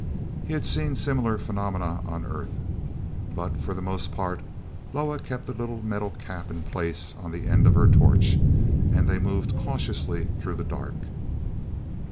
He had seen similar phenomena on earth. But, for the most part, Loah kept the little metal cap in place on the end of her torch, and they moved cautiously through the dark.